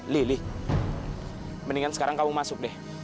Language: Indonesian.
lili mendingan sekarang kamu masuk deh